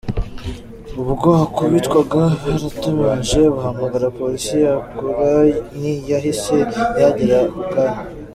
Ubwo abakubitwaga baratabaje bahamagara Polisi cyakora ntiyahise ihagera ako kanya.